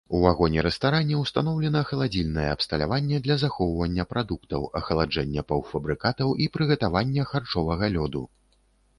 У вагоне-рэстаране ўстаноўлена халадзільнае абсталяванне для захоўвання прадуктаў, ахладжэння паўфабрыкатаў і прыгатавання харчовага лёду.